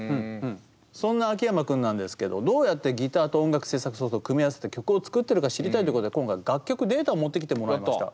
そんな秋山君なんですけどどうやってギターと音楽制作ソフトを組み合わせて曲を作ってるか知りたいということで今回楽曲データを持ってきてもらいました。